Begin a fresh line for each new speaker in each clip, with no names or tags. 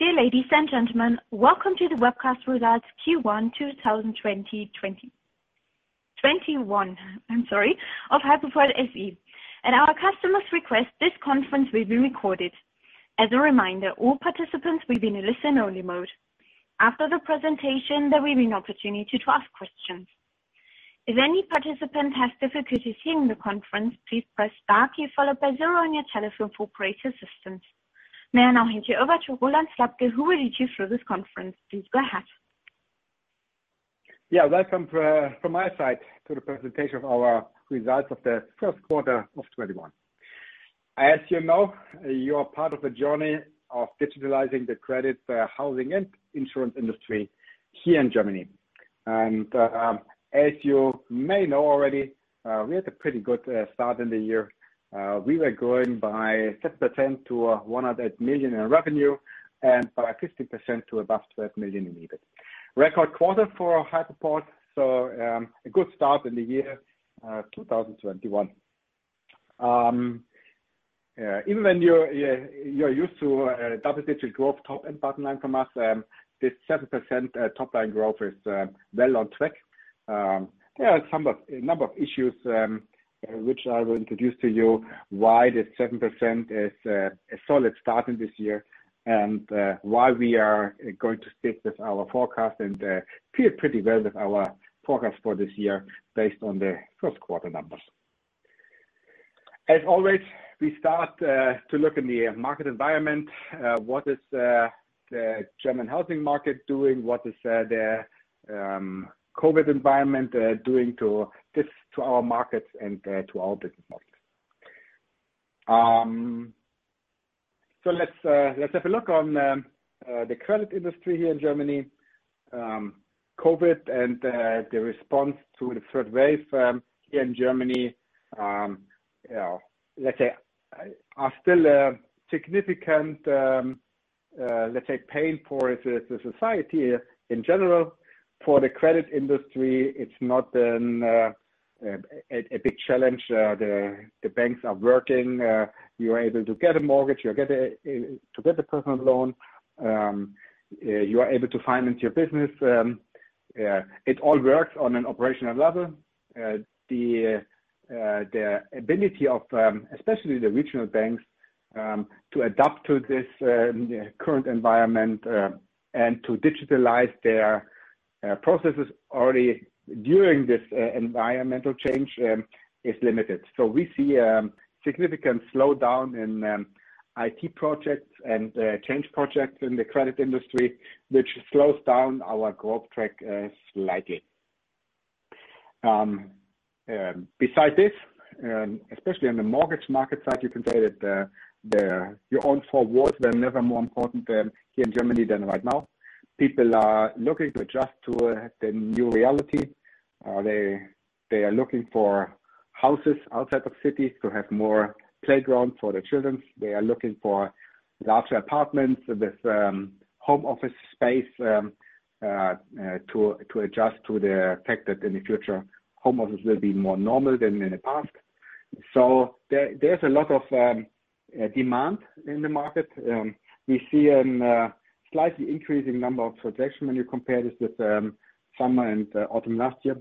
Dear ladies and gentlemen, welcome to the webcast results Q1 2021 of Hypoport SE. At our customers' request, this conference will be recorded. As a reminder, all participants will be in a listen-only mode. After the presentation, there will be an opportunity to ask questions. If any participant has difficulty hearing the conference, please press star key followed by zero on your telephone for operator assistance. May I now hand you over to Ronald Slabke, who will lead you through this conference. Please go ahead.
Yeah. Welcome from my side to the presentation of our results of the first quarter of 2021. As you know, you are part of the journey of digitalizing the credit, housing, and insurance industry here in Germany. As you may know already, we had a pretty good start in the year. We were growing by 7% to 108 million in revenue and by 50% to above 12 million in EBIT. Record quarter for Hypoport, a good start in the year 2021. Even when you're used to double-digit growth, top and bottom line from us, this 7% top-line growth is well on track. There are a number of issues, which I will introduce to you why this 7% is a solid start in this year, and why we are going to stick with our forecast and feel pretty well with our forecast for this year based on the first quarter numbers. As always, we start to look in the market environment. What is the German housing market doing? What is the COVID environment doing to this, to our markets and to our business model? Let's have a look on the credit industry here in Germany. COVID and the response to the third wave here in Germany are still a significant, let's say, pain for the society in general. For the credit industry, it's not a big challenge. The banks are working. You're able to get a mortgage. You're able to get a personal loan. You are able to finance your business. It all works on an operational level. The ability of especially the regional banks to adapt to this current environment, and to digitalize their processes already during this environmental change is limited. We see a significant slowdown in IT projects and change projects in the credit industry, which slows down our growth track slightly. Besides this, especially on the mortgage market side, you can say that your own four walls were never more important here in Germany than right now. People are looking to adjust to the new reality. They are looking for houses outside of cities to have more playgrounds for their children. They are looking for larger apartments with home office space, to adjust to the fact that in the future, home offices will be more normal than in the past. There's a lot of demand in the market. We see a slightly increasing number of transactions when you compare this with summer and autumn last year.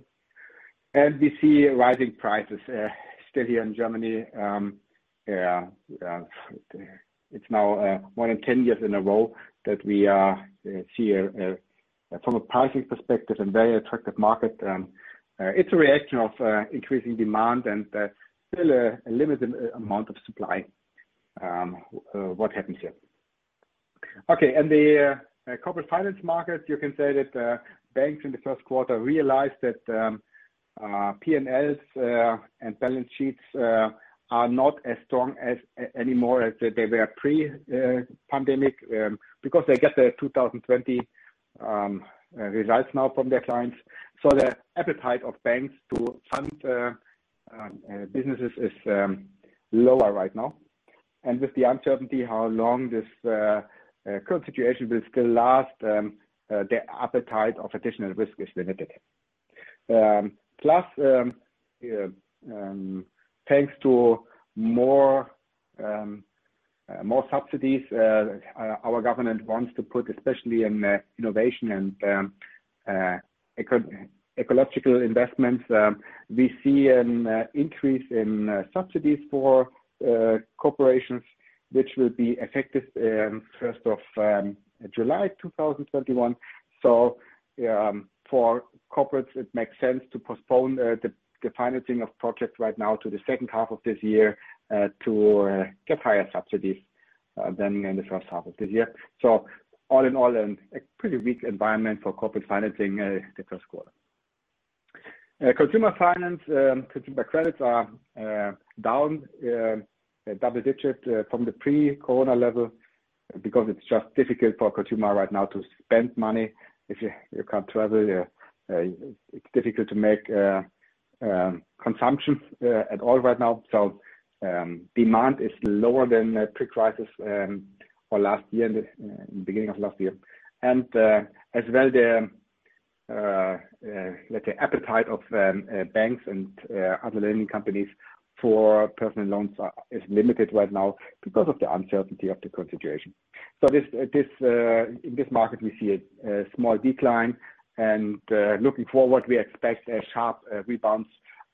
We see rising prices still here in Germany. It's now more than 10 years in a row that we see, from a pricing perspective, a very attractive market. It's a reaction of increasing demand and still a limited amount of supply, what happens here. Okay. The corporate finance market, you can say that banks in the first quarter realized that P&Ls and balance sheets are not as strong anymore as they were pre-pandemic. Because they get the 2020 results now from their clients. The appetite of banks to fund businesses is lower right now. With the uncertainty how long this current situation will still last, the appetite of additional risk is limited. Plus, thanks to more subsidies our government wants to put, especially in innovation and ecological investments. We see an increase in subsidies for corporations, which will be effective 1st of July 2021. For corporates, it makes sense to postpone the financing of projects right now to the second half of this year, to get higher subsidies than in the first half of this year. All in all, a pretty weak environment for corporate financing the first quarter. Consumer finance. Consumer credits are down double digits from the pre-corona level because it's just difficult for a consumer right now to spend money. If you can't travel, it's difficult to make consumption at all right now. Demand is lower than pre-crisis or last year, the beginning of last year. As well the appetite of banks and other lending companies for personal loans is limited right now because of the uncertainty of the current situation. In this market, we see a small decline, and looking forward, we expect a sharp rebound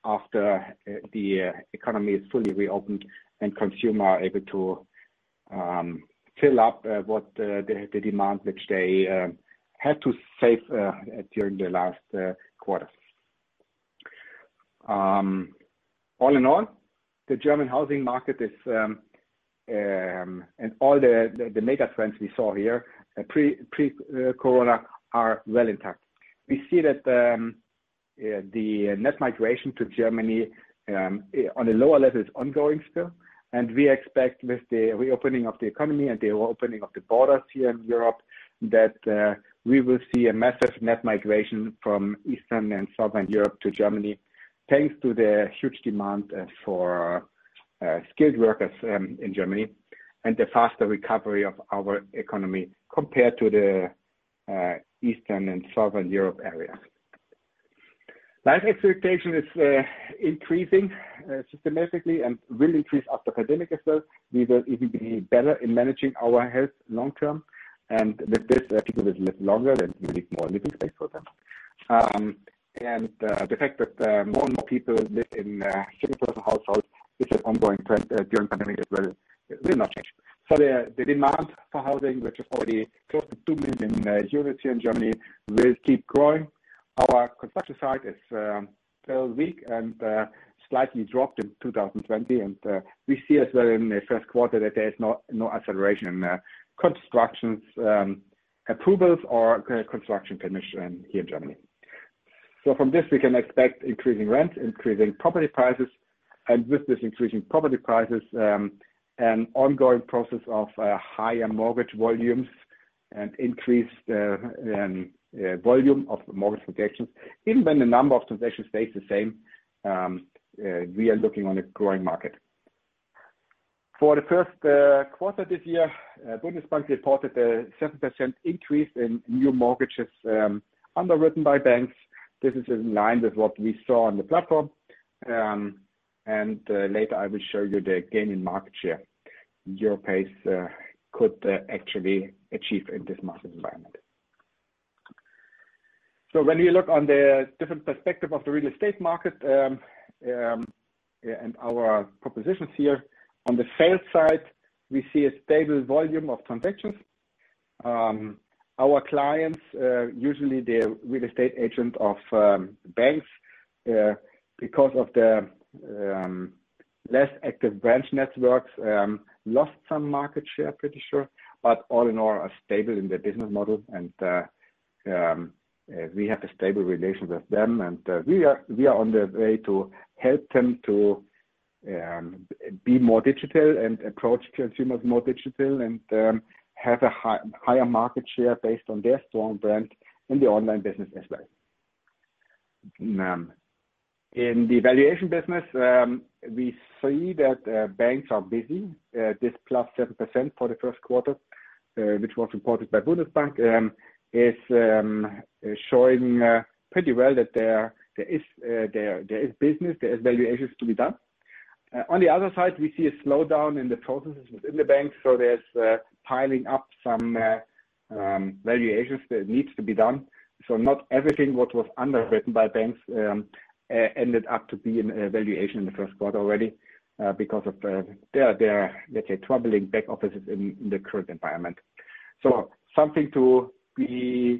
after the economy is fully reopened and consumer are able to fill up what the demand which they had to save during the last quarter. All in all, the German housing market is, and all the mega trends we saw here pre-COVID are well intact. We see that the net migration to Germany on a lower level is ongoing still, and we expect with the reopening of the economy and the reopening of the borders here in Europe that we will see a massive net migration from Eastern and Southern Europe to Germany, thanks to the huge demand for skilled workers in Germany and the faster recovery of our economy compared to the Eastern and Southern Europe area. Life expectation is increasing systematically and will increase after pandemic as well. We will even be better in managing our health long term. With this people will live longer, we need more living space for them. The fact that more and more people live in single-person households is an ongoing trend during pandemic as well, will not change. The demand for housing, which is already close to 2 million units here in Germany, will keep growing. Our construction site is still weak and slightly dropped in 2020. We see as well in the first quarter that there is no acceleration in constructions approvals or construction permission here in Germany. From this, we can expect increasing rent, increasing property prices. With this increasing property prices, an ongoing process of higher mortgage volumes and increased volume of mortgage transactions. Even when the number of transactions stays the same, we are looking on a growing market. For the first quarter this year, Bundesbank reported a 7% increase in new mortgages underwritten by banks. This is in line with what we saw on the platform. Later I will show you the gain in market share Europace could actually achieve in this market environment. When we look on the different perspective of the real estate market, and our propositions here, on the sales side, we see a stable volume of transactions. Our clients, usually they're real estate agent of banks because of the less active branch networks lost some market share, pretty sure, but all in all, are stable in their business model and we have a stable relationship with them. We are on the way to help them to be more digital and approach consumers more digital and have a higher market share based on their strong brand in the online business as well. In the valuation business, we see that banks are busy. This +7% for the first quarter, which was reported by Bundesbank is showing pretty well that there is business, there is valuations to be done. On the other side, we see a slowdown in the processes within the bank. There's piling up some valuations that needs to be done. Not everything what was underwritten by banks ended up to be in valuation in the first quarter already because of their, let's say, troubling back offices in the current environment. Something to fill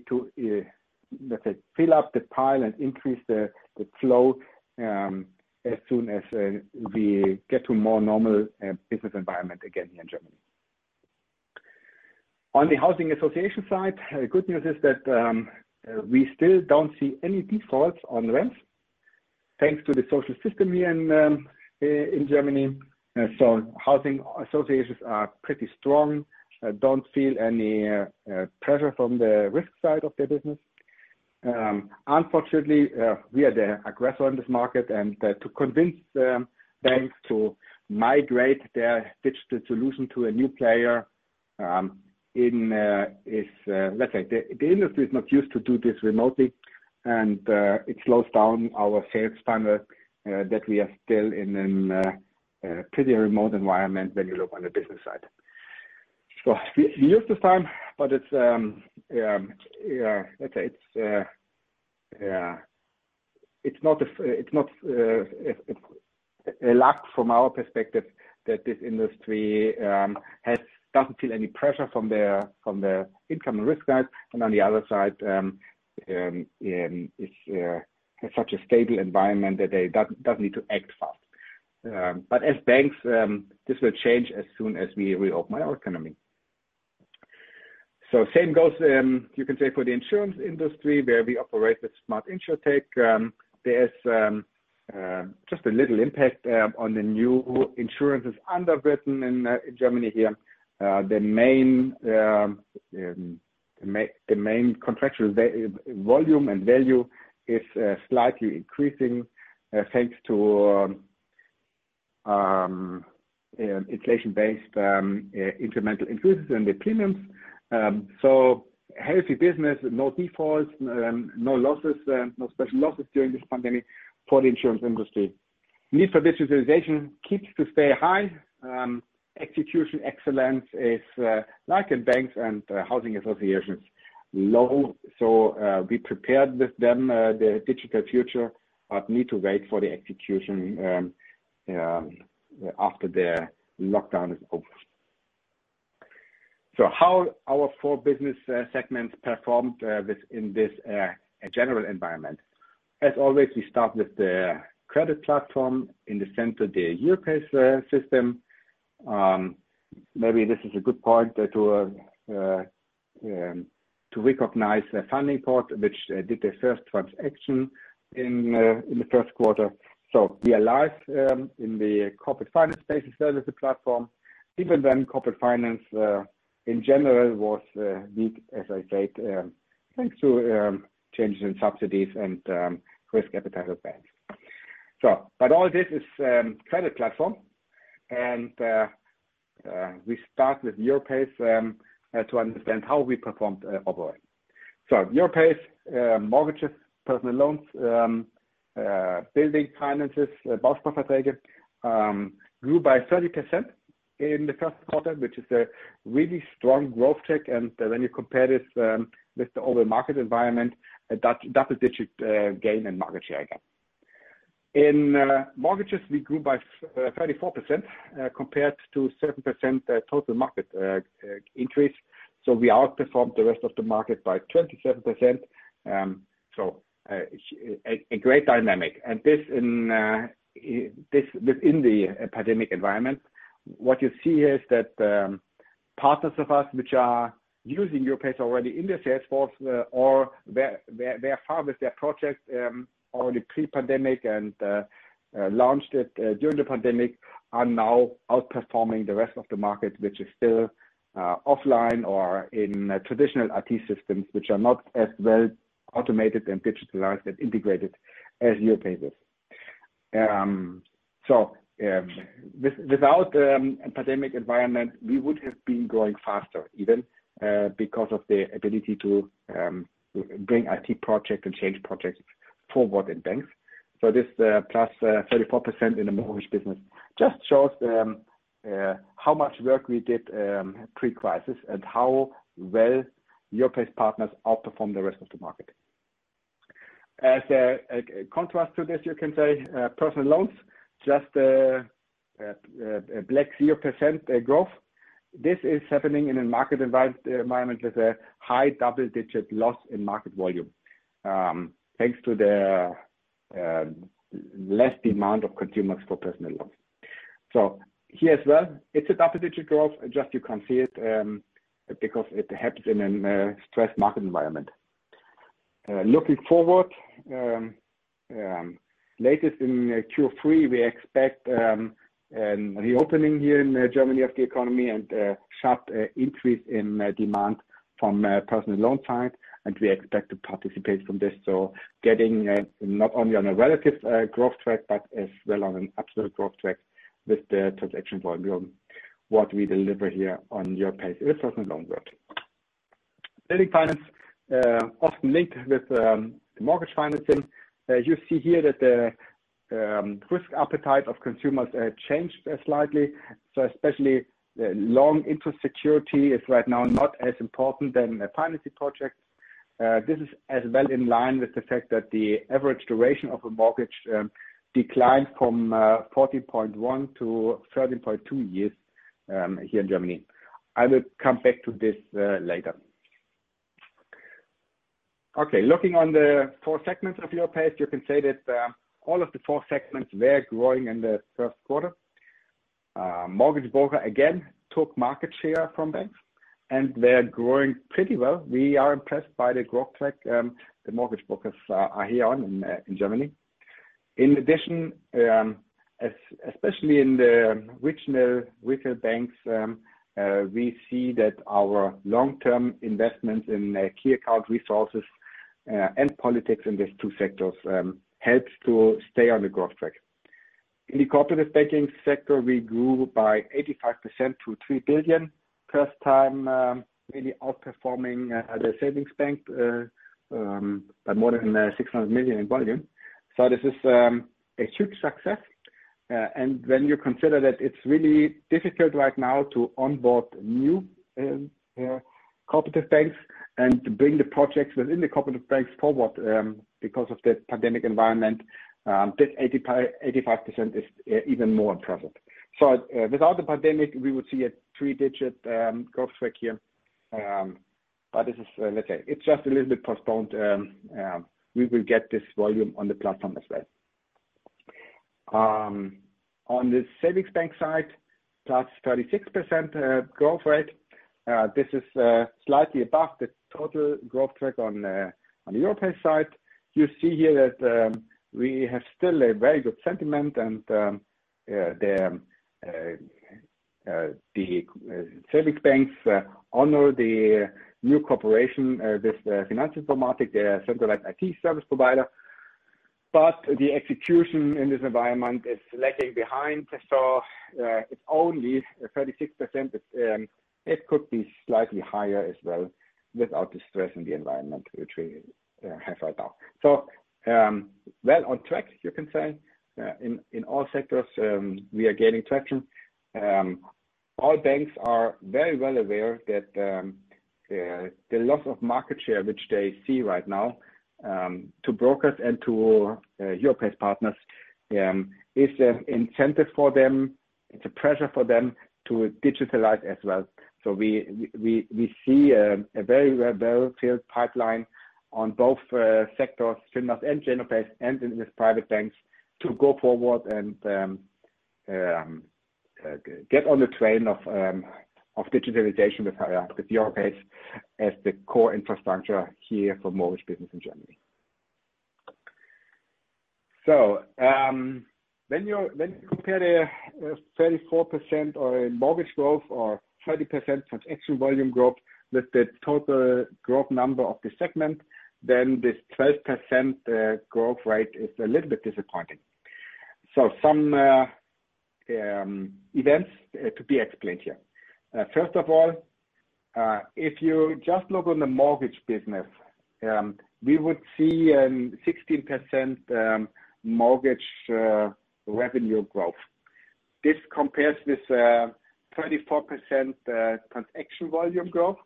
up the pile and increase the flow as soon as we get to more normal business environment again here in Germany. On the housing association side, good news is that we still don't see any defaults on rents thanks to the social system here in Germany. Housing associations are pretty strong, don't feel any pressure from the risk side of their business. Unfortunately, we are the aggressor in this market, to convince banks to migrate their digital solution to a new player is let's say the industry is not used to do this remotely, and it slows down our sales funnel that we are still in a pretty remote environment when you look on the business side. We use this time, but let's say it's not a lack from our perspective that this industry doesn't feel any pressure from the income and risk side. On the other side, it's such a stable environment that they don't need to act fast. As banks, this will change as soon as we reopen our economy. Same goes, you can say for the insurance industry where we operate with Smart InsurTech. There's just a little impact on the new insurances underwritten in Germany here. The main contractual volume and value is slightly increasing thanks to inflation-based incremental increases in the premiums. Healthy business, no defaults, no losses, no special losses during this pandemic for the insurance industry. Need for digitalization keeps to stay high. Execution excellence is, like in banks and housing associations, low. We prepared with them the digital future, but need to wait for the execution after the lockdown is over. How our four business segments performed in this general environment. As always, we start with the credit platform. In the center, the Europace system. Maybe this is a good point to recognize Fundingport, which did their first transaction in the first quarter. We are live in the corporate finance space as well as the platform. Even then, corporate finance in general was weak, as I said, thanks to changes in subsidies and risk appetite of banks. All this is credit platform. We start with Europace to understand how we performed overall. Europace mortgages, personal loans, building finances, grew by 30% in the first quarter, which is a really strong growth track. When you compare this with the overall market environment, a double-digit gain in market share again. In mortgages, we grew by 34% compared to 7% total market increase. We outperformed the rest of the market by 27%. A great dynamic. This within the pandemic environment. What you see is that partners of us which are using Europace already in their sales force or they are far with their project already pre-pandemic and launched it during the pandemic, are now outperforming the rest of the market, which is still offline or in traditional IT systems, which are not as well automated and digitalized and integrated as Europace is. Without pandemic environment, we would have been growing faster even because of the ability to bring IT project and change projects forward in banks. This plus 34% in the mortgage business just shows how much work we did pre-crisis and how well Europace partners outperform the rest of the market. As a contrast to this, you can say personal loans, just a flat 0% growth. This is happening in a market environment with a high double-digit loss in market volume thanks to the less demand of consumers for personal loans. Here as well, it's a double-digit growth. Just you can't see it because it happens in a stressed market environment. Looking forward, latest in Q3, we expect a reopening here in Germany of the economy and a sharp increase in demand from personal loan side, and we expect to participate from this. Getting not only on a relative growth track, but as well on an absolute growth track with the transaction volume, what we deliver here on Europace with personal loan growth. Building finance, often linked with the mortgage financing. You see here that the risk appetite of consumers changed slightly. Especially long interest security is right now not as important as financing projects. This is as well in line with the fact that the average duration of a mortgage declined from 14.1 to 13.2 years here in Germany. I will come back to this later. Looking on the four segments of Europace, you can say that all of the four segments were growing in the first quarter. Mortgage broker, again, took market share from banks. They're growing pretty well. We are impressed by the growth track the mortgage brokers are here on in Germany. In addition, especially in the regional retail banks, we see that our long-term investments in key account resources and politics in these two sectors helps to stay on the growth track. In the cooperative banking sector, we grew by 85% to 3 billion. First time really outperforming the savings bank by more than 600 million in volume. This is a huge success. When you consider that it's really difficult right now to onboard new cooperative banks and to bring the projects within the cooperative banks forward because of the pandemic environment, this 85% is even more impressive. Without the pandemic, we would see a three-digit growth track here. This is, let's say it's just a little bit postponed. We will get this volume on the platform as well. On the savings bank side, +36% growth rate. This is slightly above the total growth track on Europace side. You see here that we have still a very good sentiment and the savings banks honor the new cooperation, this Finanz Informatik, their centralized IT service provider. The execution in this environment is lagging behind. It's only 36%, but it could be slightly higher as well without the stress in the environment which we have right now. Well on track, you can say. In all sectors, we are gaining traction. All banks are very well aware that the loss of market share which they see right now to brokers and to Europace partners is an incentive for them. It's a pressure for them to digitalize as well. We see a very well-filled pipeline on both sectors, FINMAS and Genopace, and in these private banks to go forward and get on the train of digitalization with Europace as the core infrastructure here for mortgage business in Germany. When you compare the 34% or mortgage growth or 30% transaction volume growth with the total growth number of the segment, then this 12% growth rate is a little bit disappointing. Some events to be explained here. First of all, if you just look on the mortgage business, we would see a 16% mortgage revenue growth. This compares this 34% transaction volume growth,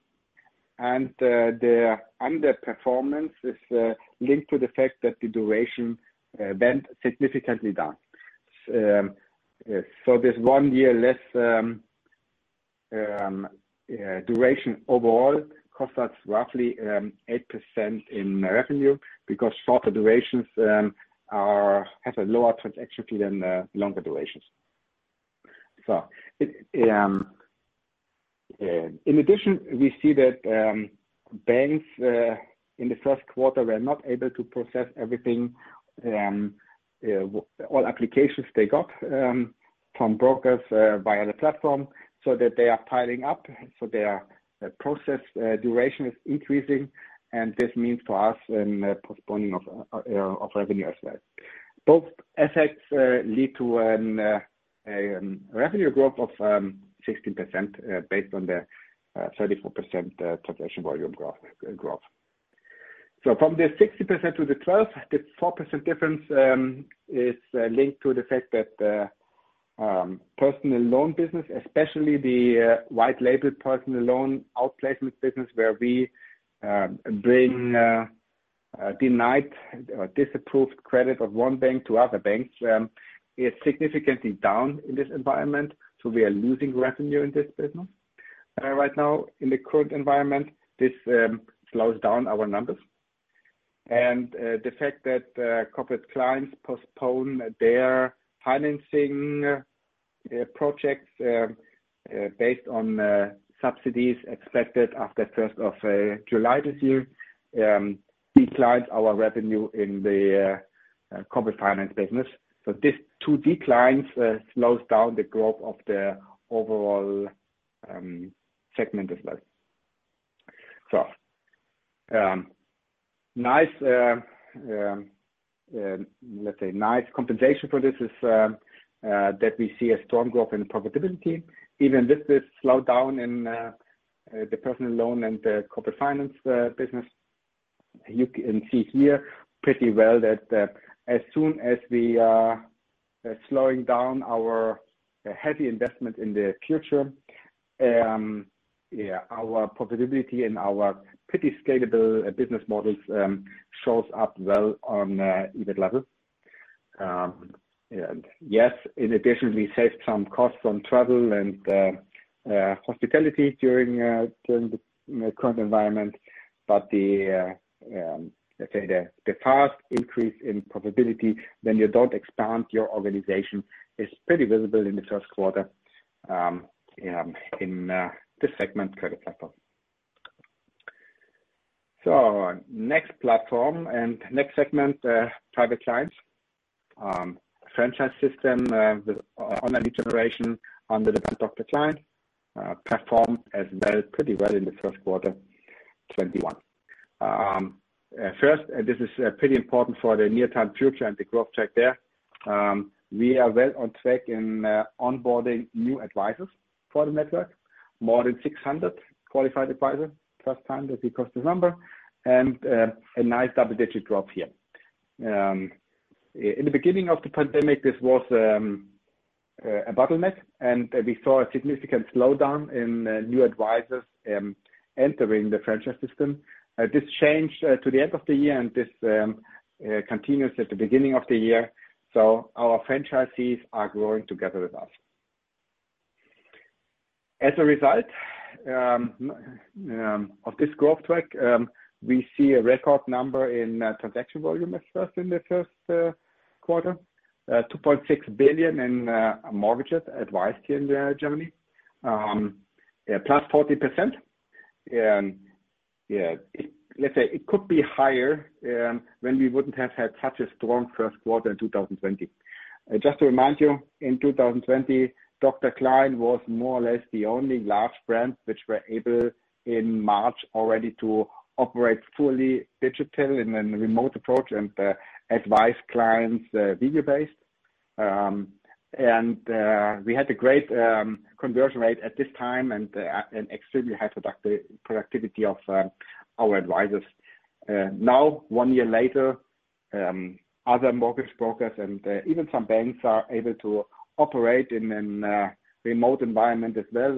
and the underperformance is linked to the fact that the duration went significantly down. This one year less duration overall costs us roughly 8% in revenue because shorter durations have a lower transaction fee than longer durations. In addition, we see that banks in the first quarter were not able to process everything, all applications they got from brokers via the platform so that they are piling up. Their process duration is increasing, and this means for us a postponing of revenue as well. Both effects lead to a revenue growth of 16%, based on the 34% transaction volume growth. From the 16% to the 12%, this 4% difference is linked to the fact that personal loan business, especially the white label personal loan outplacement business, where we bring denied or disapproved credit of one bank to other banks is significantly down in this environment. We are losing revenue in this business. Right now in the current environment, this slows down our numbers. The fact that corporate clients postpone their financing projects based on subsidies expected after 1st of July this year declines our revenue in the corporate finance business. These two declines slows down the growth of the overall segment as well. Let's say, nice compensation for this is that we see a strong growth in profitability. Even with this slowdown in the personal loan and the corporate finance business, you can see here pretty well that as soon as we are slowing down our heavy investment in the future, our profitability and our pretty scalable business models shows up well on EBIT level. Yes, in addition, we saved some costs on travel and hospitality during the current environment. The fast increase in profitability when you don't expand your organization is pretty visible in the first quarter in this segment Credit Platform. Next platform and next segment, Private Clients. Franchise system with online generation under the brand Dr. Klein. Platform as well, pretty well in the first quarter 2021. First, this is pretty important for the near-term future and the growth track there. We are well on track in onboarding new advisors for the network. More than 600 qualified advisors. First time that we cross this number. A nice double-digit growth here. In the beginning of the pandemic, this was a bottleneck, and we saw a significant slowdown in new advisors entering the franchise system. This changed to the end of the year, and this continues at the beginning of the year. Our franchisees are growing together with us. As a result of this growth track, we see a record number in transaction volume at first in the first quarter. 2.6 billion in mortgages advised here in Germany. +40%. Let's say it could be higher when we wouldn't have had such a strong first quarter in 2020. Just to remind you, in 2020, Dr. Klein was more or less the only large brand which were able in March already to operate fully digital in a remote approach and advise clients video-based. We had a great conversion rate at this time and extremely high productivity of our advisors. One year later, other mortgage brokers and even some banks are able to operate in a remote environment as well.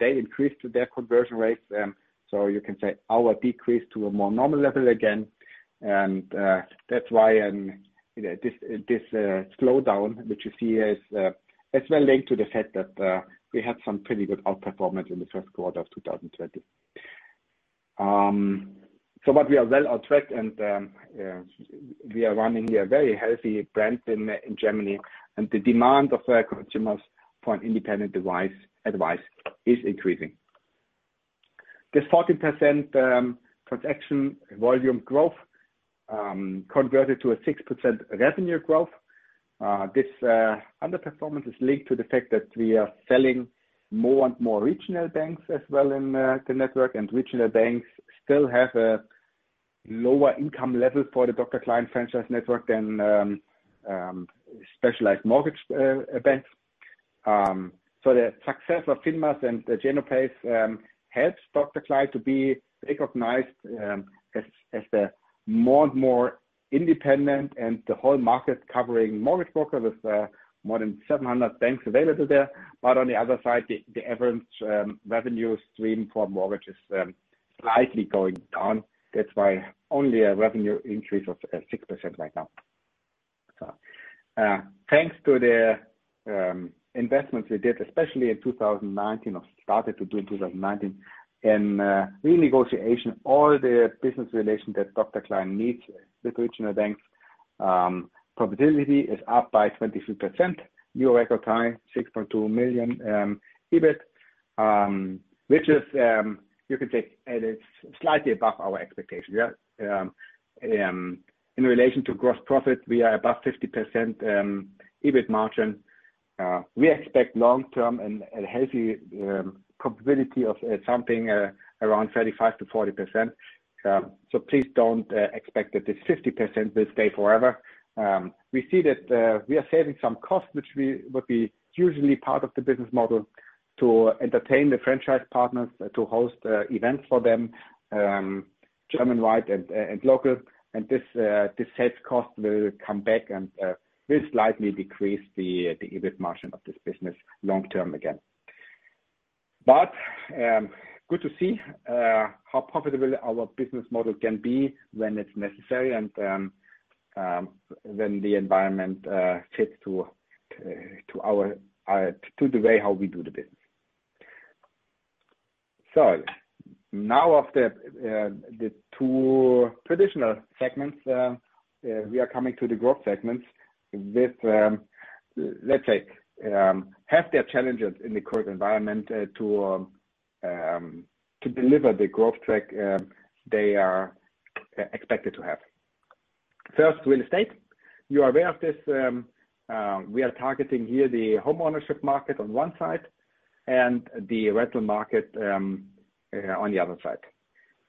They increased their conversion rates, you can say our decrease to a more normal level again. That's why this slowdown that you see here is as well linked to the fact that we had some pretty good outperformance in the first quarter of 2020. We are well on track and we are running a very healthy brand in Germany. The demand of consumers for an independent advice is increasing. This 14% transaction volume growth converted to a 6% revenue growth. This underperformance is linked to the fact that we are selling more and more regional banks as well in the network. Regional banks still have a lower income level for the Dr. Klein franchise network than specialized mortgage banks. The success of FINMAS and Genopace helps Dr. Klein to be recognized as the more and more independent and the whole market-covering mortgage broker with more than 700 banks available there. On the other side, the average revenue stream for mortgage is slightly going down. Only a revenue increase of 6% right now. Thanks to the investments we did, especially in 2019 or started to do in 2019, in renegotiation, all the business relations that Dr. Klein needs with regional banks. Profitability is up by 23%, new record high, 6.2 million EBIT, which is, you could say, it is slightly above our expectation. In relation to gross profit, we are above 50% EBIT margin. We expect long-term and a healthy profitability of something around 35%-40%. Please don't expect that this 50% will stay forever. We see that we are saving some cost, which would be usually part of the business model to entertain the franchise partners, to host events for them, German-wide and local. This sales cost will come back and will slightly decrease the EBIT margin of this business long-term again. Good to see how profitable our business model can be when it's necessary and when the environment fits to the way how we do the business. Now of the two traditional segments, we are coming to the growth segments with, let's say, have their challenges in the current environment to deliver the growth track they are expected to have. First, real estate. You are aware of this. We are targeting here the home ownership market on one side and the rental market on the other side.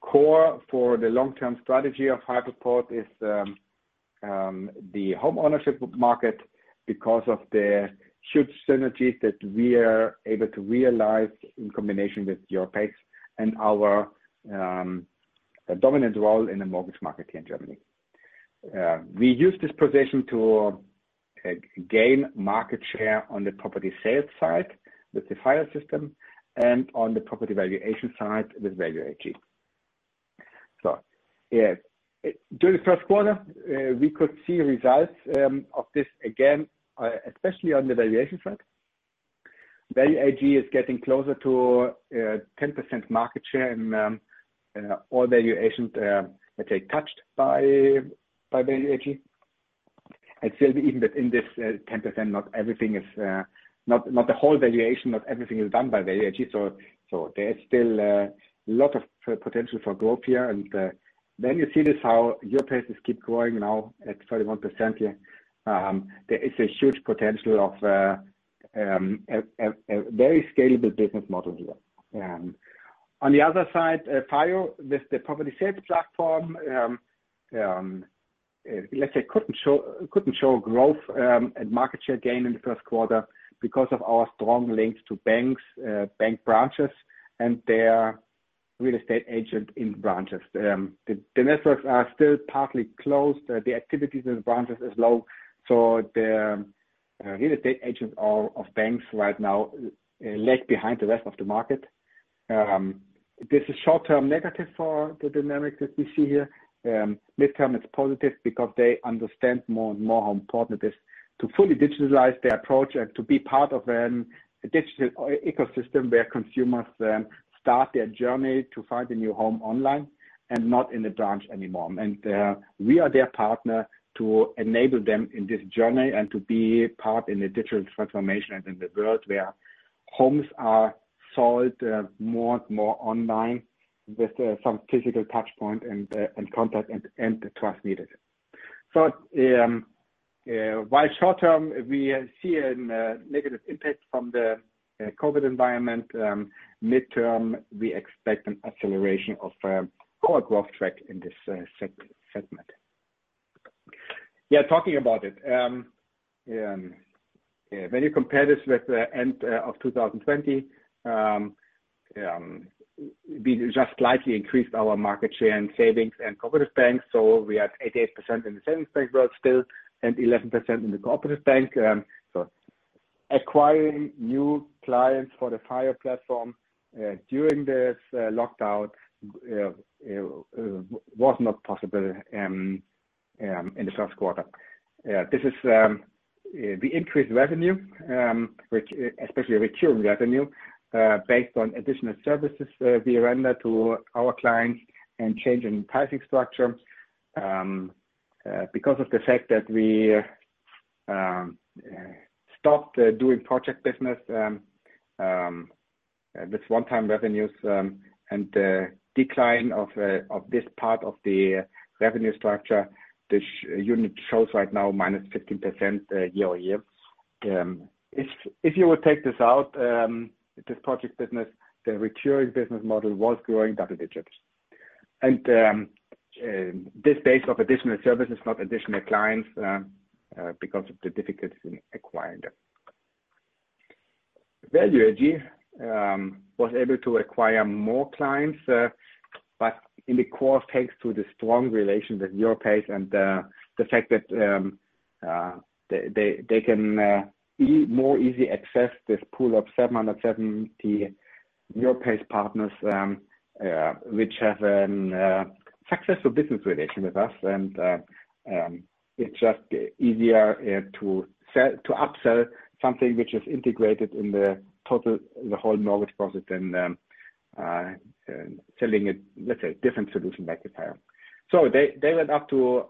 Core for the long-term strategy of Hypoport is the home ownership market because of the huge synergies that we are able to realize in combination with Europace and our dominant role in the mortgage market here in Germany. We use this position to gain market share on the property sales side with the FIO system and on the property valuation side with Value AG. Yes, during the first quarter, we could see results of this again, especially on the valuation front. Value AG is getting closer to 10% market share in all valuations, let's say, touched by Value AG. Still, even within this 10%, not the whole valuation, not everything is done by Value AG. There is still a lot of potential for growth here. You see this, how Europace keep growing now at 31% here. There is a huge potential of a very scalable business model here. On the other side, FIO, with the property sales platform, let's say, couldn't show growth and market share gain in the first quarter because of our strong links to banks, bank branches, and their real estate agent in branches. The networks are still partly closed. The activities in the branches is low. The real estate agents of banks right now lag behind the rest of the market. This is short-term negative for the dynamics that we see here. Midterm, it's positive because they understand more and more how important it is to fully digitalize their approach and to be part of a digital ecosystem where consumers start their journey to find a new home online and not in a branch anymore. We are their partner to enable them in this journey and to be part in the digital transformation and in the world where homes are sold more and more online with some physical touchpoint and contact and trust needed. While short term, we see a negative impact from the COVID environment. Midterm, we expect an acceleration of our growth track in this segment. Talking about it. When you compare this with the end of 2020, we just slightly increased our market share in savings and cooperative banks. We are at 88% in the savings bank world still and 11% in the cooperative bank. Acquiring new clients for the FIO platform, during this lockdown was not possible in the first quarter. This is the increased revenue, which especially recurring revenue, based on additional services we render to our clients and change in pricing structure. Because of the fact that we stopped doing project business, with one-time revenues, and the decline of this part of the revenue structure, this unit shows right now -15% year-over-year. If you would take this out, this project business, the recurring business model was growing double digits. This base of additional services, not additional clients, because of the difficulties in acquiring them. Value AG was able to acquire more clients, in the course of thanks to the strong relations with Europace and the fact that they can more easily access this pool of 770 Europace partners, which have a successful business relationship with us. It's just easier to upsell something which is integrated in the whole mortgage process than selling it, let's say, different solution like the FIO. They went up to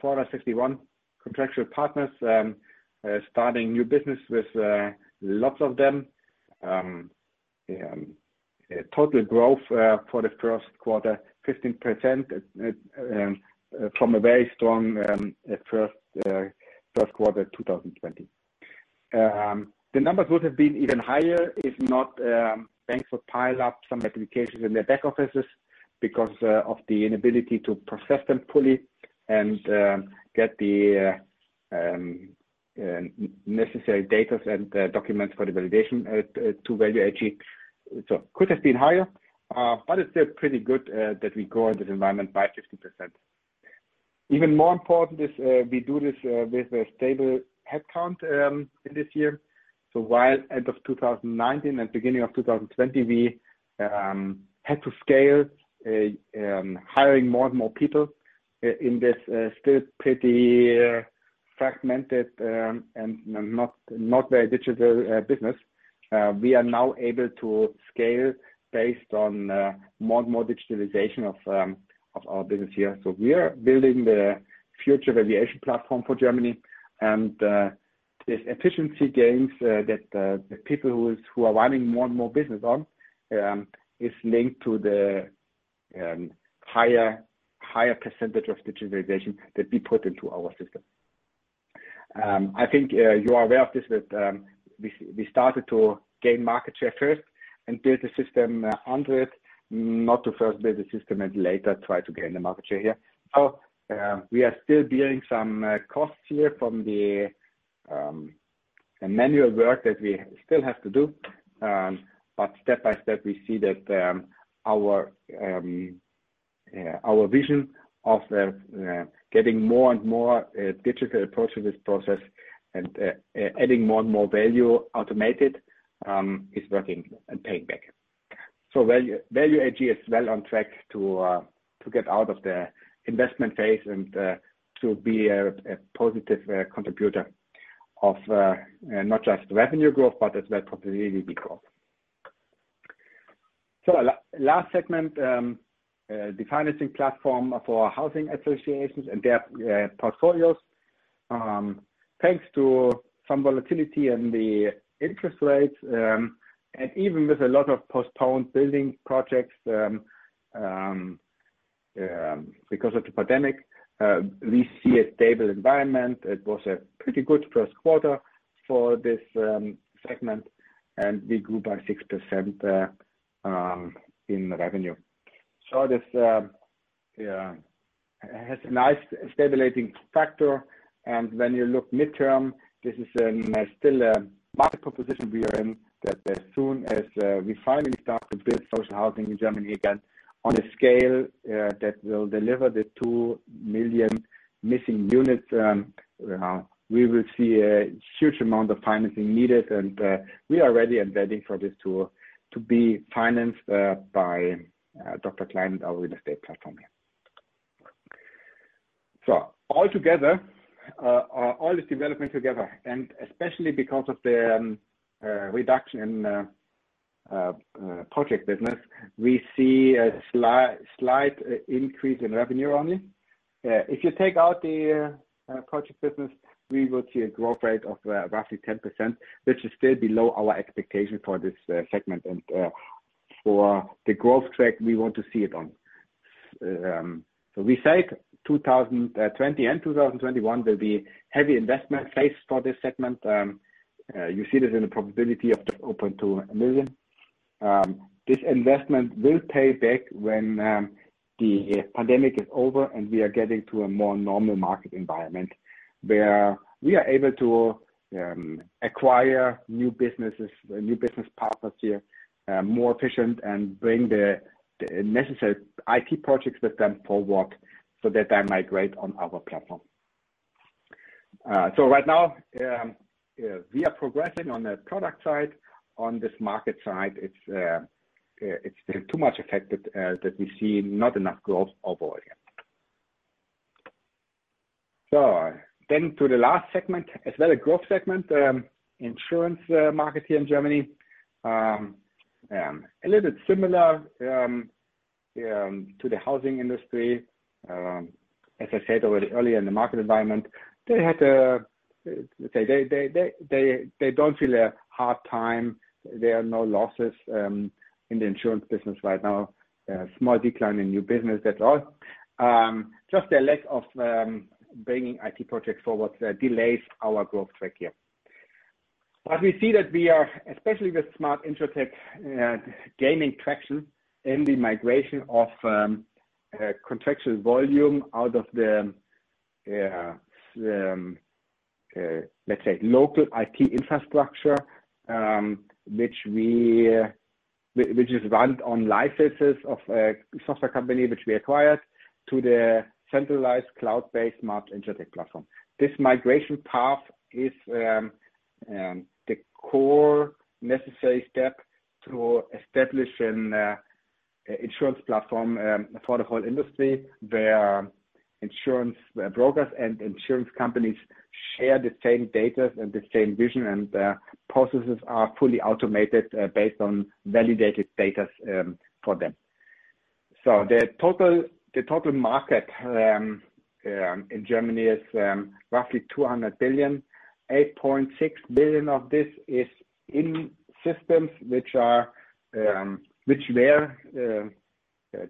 461 contractual partners, starting new business with lots of them. Total growth for the first quarter, 15% from a very strong first quarter 2020. The numbers would have been even higher if not banks would pile up some applications in their back offices because of the inability to process them fully and get the necessary data and documents for the validation to Value AG. Could have been higher, but it's still pretty good that we grow in this environment by 15%. Even more important is we do this with a stable headcount in this year. While end of 2019 and beginning of 2020, we had to scale, hiring more and more people in this still pretty fragmented, and not very digital business. We are now able to scale based on more and more digitalization of our business here. We are building the future valuation platform for Germany. These efficiency gains that the people who are running more and more business on, is linked to the higher percentage of digitalization that we put into our system. I think you are aware of this, that we started to gain market share first and build the system under it, not to first build the system and later try to gain the market share here. We are still bearing some costs here from the manual work that we still have to do. Step by step, we see that our vision of getting more and more digital approach to this process and adding more and more value automated is working and paying back. Value AG is well on track to get out of the investment phase and to be a positive contributor of not just revenue growth, but as well profitability growth. Last segment, the financing platform for housing associations and their portfolios. Thanks to some volatility in the interest rates, and even with a lot of postponed building projects because of the pandemic, we see a stable environment. It was a pretty good first quarter for this segment, and we grew by 6% in revenue. This has a nice stabilizing factor. When you look midterm, this is still a market proposition we are in, that as soon as we finally start to build social housing in Germany again on a scale that will deliver the 2 million missing units, we will see a huge amount of financing needed. We are ready and waiting for this to be financed by Dr. Klein, our real estate platform here. Altogether, all this development together, and especially because of the reduction in project business, we see a slight increase in revenue only. If you take out the project business, we will see a growth rate of roughly 10%, which is still below our expectation for this segment and for the growth track we want to see it on. We say 2020 and 2021 will be heavy investment phase for this segment. You see this in the probability of the open to a million. This investment will pay back when the pandemic is over and we are getting to a more normal market environment where we are able to acquire new businesses, new business partners here, more efficient, and bring the necessary IT projects with them forward so that they migrate on our platform. Right now, we are progressing on the product side. On this market side, it's still too much affected that we see not enough growth overall yet. To the last segment, as well, a growth segment, insurance market here in Germany. A little bit similar to the housing industry. As I said already earlier in the market environment, they don't feel a hard time. There are no losses in the insurance business right now. A small decline in new business, that's all. Just a lack of bringing IT projects forward delays our growth track here. We see that we are, especially with Smart InsurTech, gaining traction in the migration of contractual volume out of the, let's say, local IT infrastructure, which is run on licenses of a software company which we acquired to the centralized cloud-based Smart InsurTech platform. This migration path is the core necessary step to establish an insurance platform for the whole industry where insurance brokers and insurance companies share the same data and the same vision, and the processes are fully automated based on validated data for them. The total market in Germany is roughly 200 billion. 8.6 billion of this is in systems which were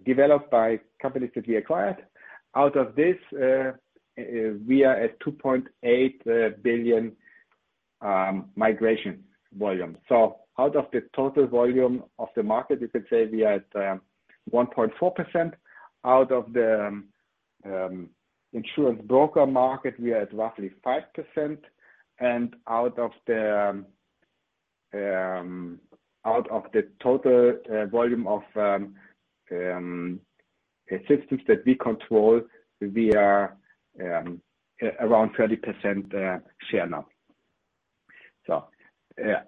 developed by companies that we acquired. Out of this, we are at 2.8 billion migration volume. Out of the total volume of the market, you could say we are at 1.4%. Out of the insurance broker market, we are at roughly 5%. Out of the total volume of systems that we control, we are around 30% share now.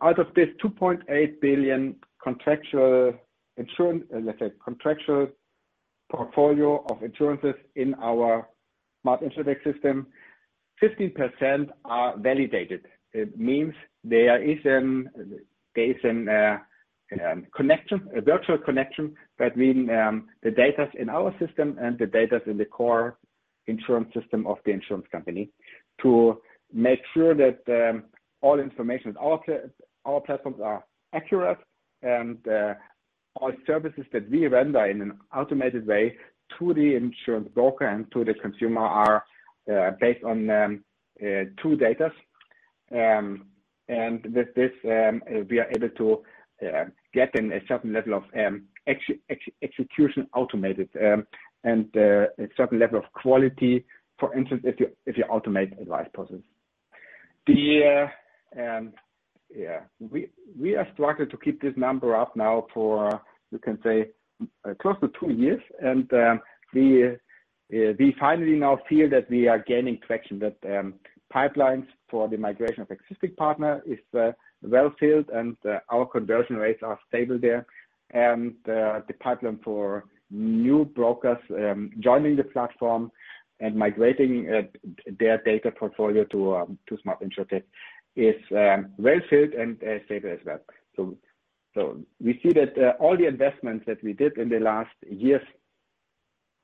Out of this 2.8 billion contractual insurance, let's say, contractual portfolio of insurances in our Smart InsurTech system, 15% are validated. It means there is a virtual connection between the data in our system and the data in the core insurance system of the insurance company to make sure that all information, all platforms are accurate and all services that we render in an automated way to the insurance broker and to the consumer are based on two data. With this, we are able to get in a certain level of execution automated and a certain level of quality, for instance, if you automate advice process. We are struggling to keep this number up now for, you can say, close to two years. We finally now feel that we are gaining traction, that pipelines for the migration of existing partner is well-filled and our conversion rates are stable there. The pipeline for new brokers joining the platform and migrating their data portfolio to Smart InsurTech is well-filled and stable as well. We see that all the investments that we did in the last years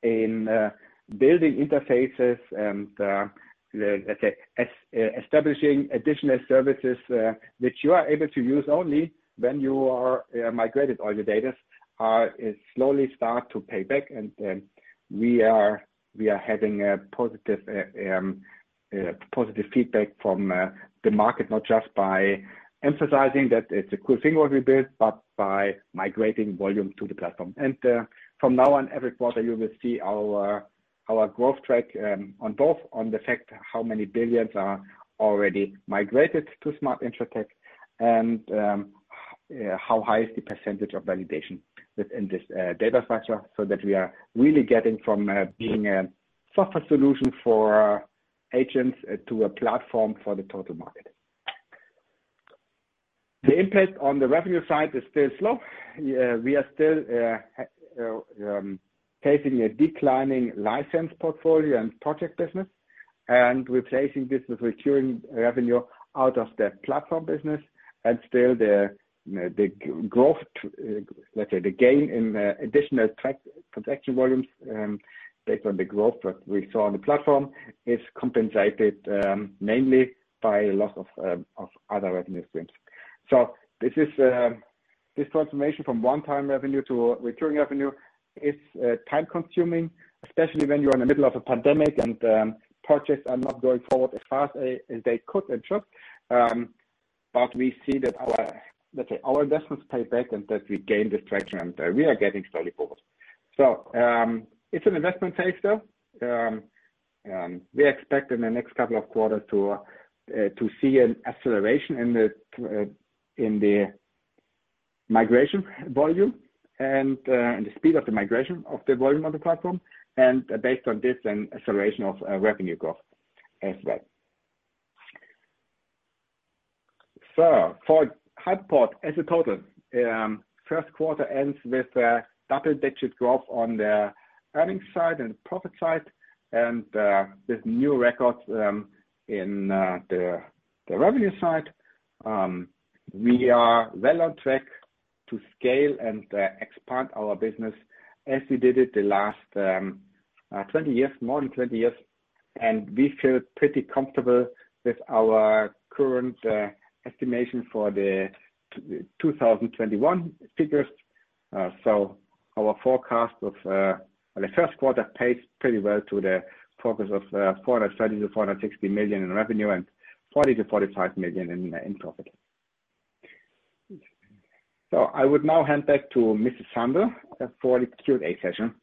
in building interfaces and, let's say, establishing additional services that you are able to use only when you are migrated all your data, is slowly start to pay back. We are having a positive feedback from the market, not just by emphasizing that it's a cool thing what we built, but by migrating volume to the platform. From now on, every quarter, you will see our growth track on both, on the fact how many billions are already migrated to Smart InsurTech and how high is the percentage of validation within this data structure, so that we are really getting from being a software solution for agents to a platform for the total market. The impact on the revenue side is still slow. We are still facing a declining license portfolio and project business and replacing this with recurring revenue out of the platform business. Still the growth, let's say, the gain in additional transaction volumes based on the growth that we saw on the platform is compensated mainly by loss of other revenue streams. This transformation from one-time revenue to recurring revenue is time-consuming, especially when you're in the middle of a pandemic and projects are not going forward as fast as they could and should. We see that our investments pay back and that we gain this traction, and we are getting slowly forward. It's an investment phase, though. We expect in the next couple of quarters to see an acceleration in the migration volume and the speed of the migration of the volume of the platform, and based on this, an acceleration of revenue growth as well. For Hypoport as a total, first quarter ends with a double-digit growth on the earnings side and profit side, and with new records in the revenue side. We are well on track to scale and expand our business as we did it the last 20 years, more than 20 years. We feel pretty comfortable with our current estimation for the 2021 figures. Our forecast of the first quarter pays pretty well to the focus of 430 million-460 million in revenue and 40 million-45 million in profit. I would now hand back to Mrs. Sander for the Q&A session.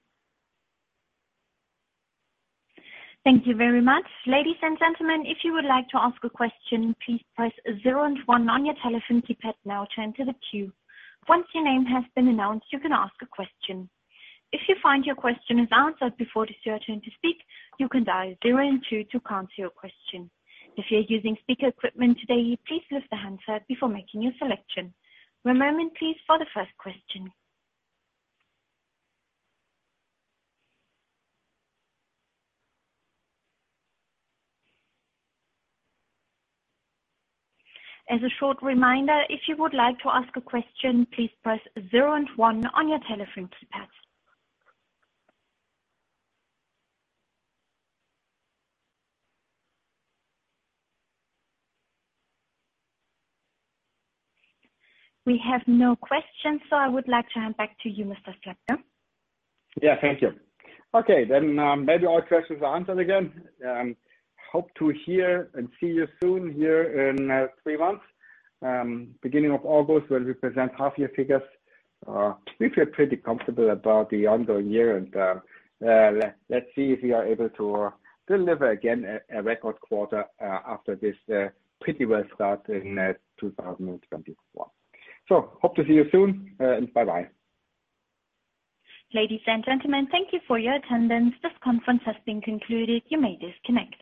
Thank you very much. Ladies and gentlemen, if you would like to ask a question, please press zero and one on your telephone keypad now to enter the queue. Once your name has been announced, you can ask a question. If you find your question is answered before it is your turn to speak, you can dial zero and two to cancel your question. If you're using speaker equipment today, please lift the handset before making your selection. One moment, please, for the first question. As a short reminder, if you would like to ask a question, please press zero and one on your telephone keypad. We have no questions, I would like to hand back to you, Mr. Slabke.
Yeah. Thank you. Okay, maybe all questions are answered again. Hope to hear and see you soon here in three months, beginning of August, where we present half-year figures. We feel pretty comfortable about the ongoing year, and let's see if we are able to deliver again a record quarter after this pretty well start in 2021. Hope to see you soon, and bye-bye.
Ladies and gentlemen, thank you for your attendance. This conference has been concluded. You may disconnect.